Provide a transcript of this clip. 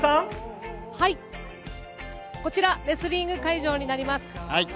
こちらレスリング会場になります。